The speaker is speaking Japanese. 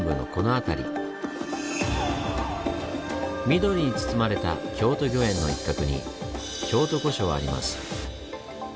緑に包まれた京都御苑の一角に京都御所はあります。